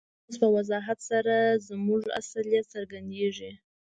هره ورځ په وضاحت سره زموږ اصلیت څرګندیږي.